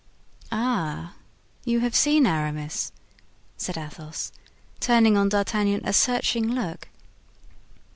"Ah, you have seen Aramis?" said Athos, turning on D'Artagnan a searching look.